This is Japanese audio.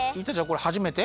これはじめて？